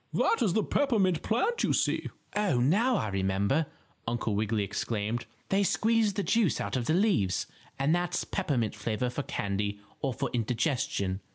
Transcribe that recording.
"That is the peppermint plant you see." "Oh, now I remember," Uncle Wiggily exclaimed. "They squeeze the juice out of the leaves, and that's peppermint flavor for candy or for indigestion."